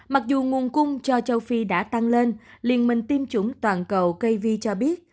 mặc dù nguồn cung cho châu phi đã tăng lên liên minh tiêm chủng toàn cầu kvi cho biết